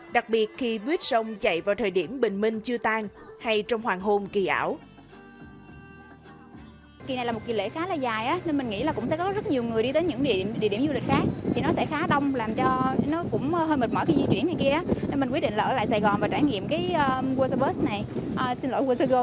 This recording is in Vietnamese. đặc biệt khi buýt sông chạy vào thời điểm bình minh chưa tan hay trong hoàng hôn kỳ ảo